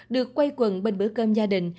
được quay quần bên bữa cơm gia đình